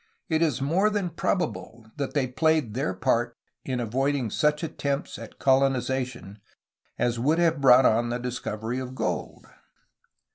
It is more than probable that they played their part in avoiding such an attempt at colonizaton as would have brought on the discovery of gold.